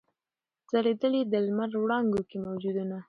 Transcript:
ځلېدل یې د لمر وړانګو کي موجونه